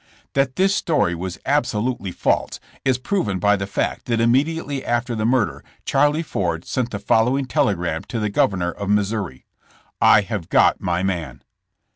That this story was absolutely false is proven by the fact that immediately after the murder Charlie Ford sent the following telegram to the Governor of Mis souri : "I have got my man.''